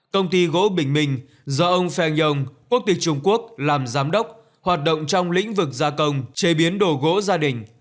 công ty gỗ bình minh do ông feng yong quốc tịch trung quốc làm giám đốc hoạt động trong lĩnh vực gia công chế biến đồ gỗ gia đình